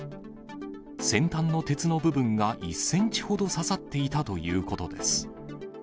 先端の鉄の部分が１センチほど刺さっていたということです。